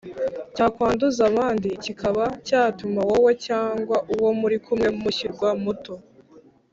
cyakwanduza abandi kikaba cyatuma wowe cyangwa uwo muri kumwe mushyirwa muto